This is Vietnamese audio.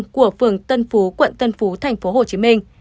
của phường tân phú quận tân phú tp hcm